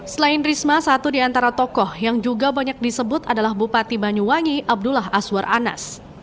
selain risma satu di antara tokoh yang juga banyak disebut adalah bupati banyuwangi abdullah azwar anas